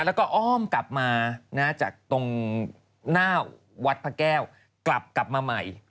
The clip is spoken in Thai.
แล้วก็อ้อมกลับมาจากตรงหน้าวัดพระแก้วกลับกลับมาใหม่